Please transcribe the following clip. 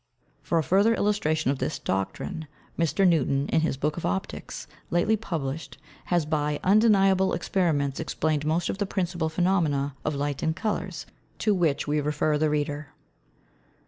_For a further Illustration of this Doctrine, Mr. Newton, in his Book of Opticks lately published, has by undeniable Experiments explained most of the Principal Phænomena of Light and Colours: To which we refer the Reader.